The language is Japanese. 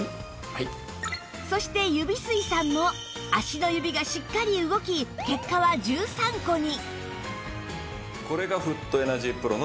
そして指吸さんも足の指がしっかり動き結果は１３個に